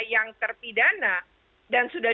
yang terpidana dan sudah